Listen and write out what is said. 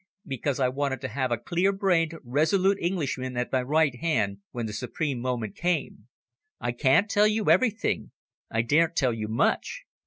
"Because I wanted to have a clear brained, resolute Englishman at my right hand when the supreme moment came. I can't tell you everything. I daren't tell you much.